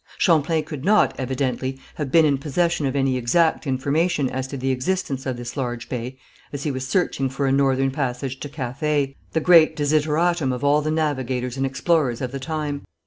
Champlain could not, evidently, have been in possession of any exact information as to the existence of this large bay, as he was searching for a northern passage to Cathay, the great desideratum of all the navigators and explorers of the time.